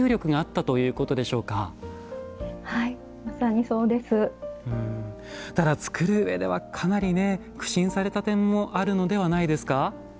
ただ作る上ではかなり苦心された点もあるのではないですか？